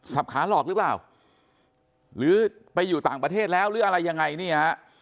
ขาหลอกหรือเปล่าหรือไปอยู่ต่างประเทศแล้วหรืออะไรยังไงนี่ฮะ